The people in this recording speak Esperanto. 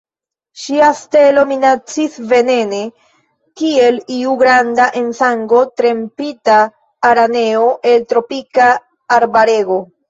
Ŝia stelo minacis venene kiel iu granda en sango trempita araneo el tropika arbarego.